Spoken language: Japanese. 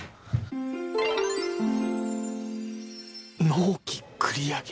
納期繰り上げ？